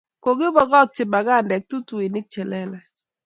Kokibokchi magandek tutuinik che lelach